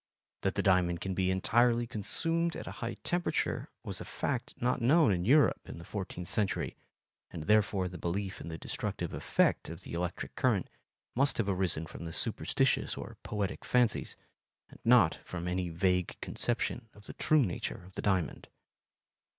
That the diamond can be entirely consumed at a high temperature was a fact not known in Europe in the fourteenth century, and therefore the belief in the destructive effect of the electric current must have arisen from superstitious or poetic fancies, and not from any vague conception of the true nature of the diamond.